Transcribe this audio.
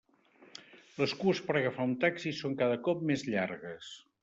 Les cues per agafar un taxi són cada cop més llargues.